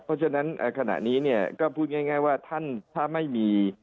เพราะฉะนั้นขณะนี้เนี่ยก็พูดง่ายว่าท่านถ้าไม่มี